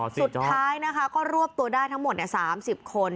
สุดท้ายนะคะก็รวบตัวได้ทั้งหมด๓๐คน